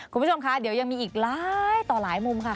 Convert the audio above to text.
คุณผู้ชมคะเดี๋ยวยังมีอีกหลายต่อหลายมุมค่ะ